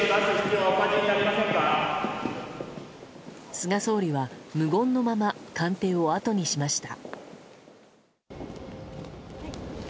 菅総理は、無言のまま官邸をあとにしました。